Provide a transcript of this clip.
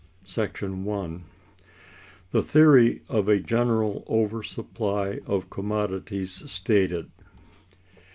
§ 1. The theory of a general Over Supply of Commodities stated.